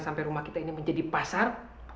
sampai rumah kita ini menjadi pasar